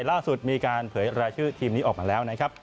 ล่าสุดมีการเผยรายชื่อทีมนี้ออกมาแล้วนะครับ